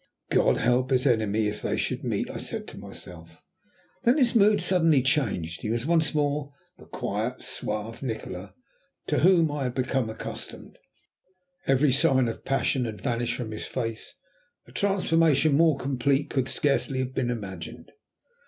"God help his enemy if they should meet," I said to myself. Then his mood suddenly changed, and he was once more the quiet, suave Nikola to whom I had become accustomed. Every sign of passion had vanished from his face. A transformation more complete could scarcely have been imagined.